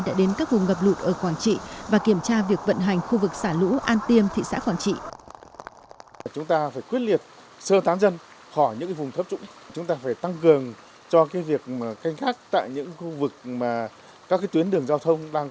đã đến các vùng ngập lụt ở quảng trị và kiểm tra việc vận hành khu vực xả lũ an tiêm thị xã quảng trị